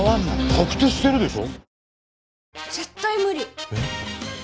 白手してるでしょ？